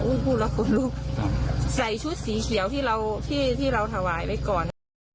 อุ้ยพูดแล้วก็รู้ใส่ชุดสีเขียวที่เราที่ที่เราถวายไปก่อน